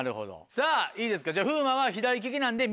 さぁいいですか風磨は。